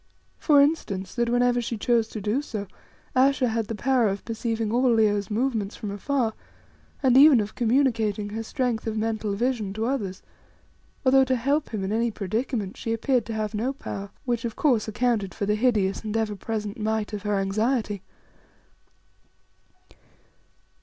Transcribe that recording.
For instance, that whenever she chose to do so, Ayesha had the power of perceiving all Leo's movements from afar, and even of communicating her strength of mental vision to others, although to help him in any predicament she appeared to have no power, which, of course, accounted for the hideous and ever present might of her anxiety.